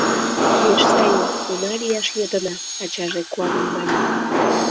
— Пеш сае, уна лияш йодына! — ачаже куанен мане.